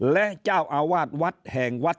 และเจ้าอาวาสวัดแห่งวัด